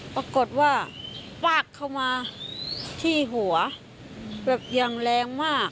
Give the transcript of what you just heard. ปรากฏว่าฟาดเข้ามาที่หัวแบบอย่างแรงมาก